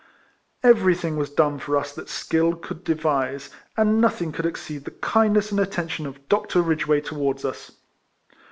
Everything was done for us that skill could devise, and nothing could exceed the kindness and attention of Dr. Ridgeway towards us.